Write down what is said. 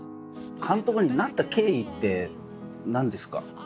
監督になった経緯って何ですか？